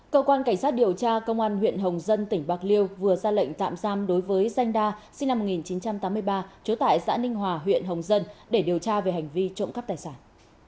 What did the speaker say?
cơ quan cảnh sát điều tra công an huyện hồng dân tỉnh bạc liêu vừa ra lệnh tạm giam đối với danh đa sinh năm một nghìn chín trăm tám mươi ba trú tại xã ninh hòa huyện hồng dân để điều tra về hành vi trộm cắp tài sản